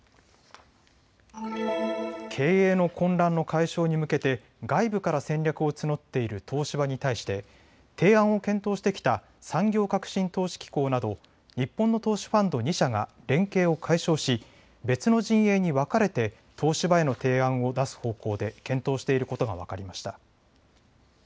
経営の混乱の解消に向けて外部から戦略を募っている東芝に対して提案を検討してきた産業革新投資機構など日本の投資ファンド２社が連携を解消し別の陣営に分かれて東芝への提案を出す方向で検討していることが分かりました。